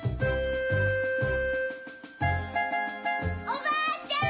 ・おばあちゃん！